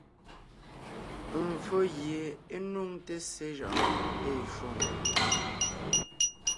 Mvfó gie é nuŋte ssé jʉʼʉ ée shwoŋ.